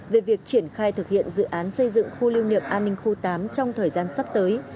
về việc triển khai thực hiện dự án xây dựng khu lưu niệm an ninh khu tám trong thời gian sắp tới